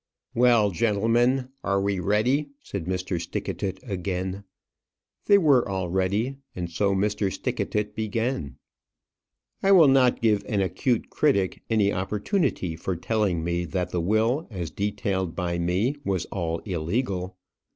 "Well, gentlemen, are we ready?" said Mr. Stickatit again. They were all ready, and so Mr. Stickatit began. I will not give an acute critic any opportunity for telling me that the will, as detailed by me, was all illegal.